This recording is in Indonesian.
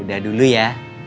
udah dulu ya